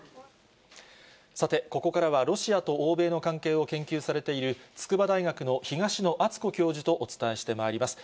さて、ここからは、ロシアと欧米の関係を研究されている筑波大学の東野篤子教授とお伝えしてまいります。